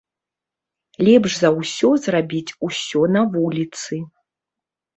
Лепш за ўсё зрабіць усё на вуліцы.